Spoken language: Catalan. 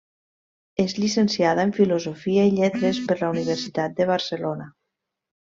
És llicenciada en Filosofia i Lletres per la Universitat de Barcelona.